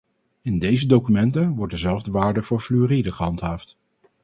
In deze documenten wordt dezelfde waarde voor fluoride gehandhaafd.